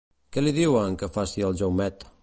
Què li diuen que faci el Jaumet?